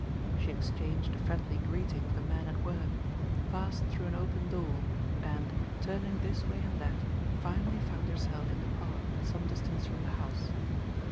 She exchanged a friendly greeting with a man at work, passed through an open door and, turning this way and that, finally found herself in the park, at some distance from the house.